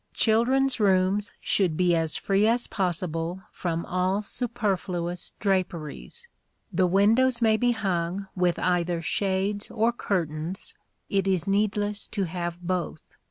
Children's rooms should be as free as possible from all superfluous draperies. The windows may be hung with either shades or curtains: it is needless to have both.